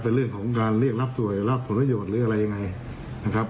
เป็นเรื่องของการเรียกรับสวยรับผลประโยชน์หรืออะไรยังไงนะครับ